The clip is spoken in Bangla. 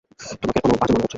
তোমাকে এখনো বাজে মনে হচ্ছে।